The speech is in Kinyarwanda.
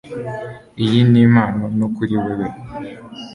Iyi ni impano nto kuri wewe.